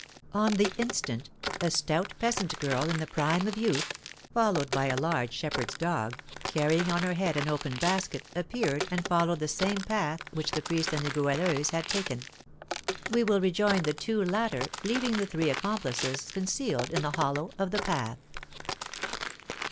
On the instant, a stout peasant girl in the prime of youth, followed by a large shepherd's dog, carrying on her head an open basket, appeared, and followed the same path which the priest and the Goualeuse had taken. We will rejoin the two latter, leaving the three accomplices concealed in the hollow of the path.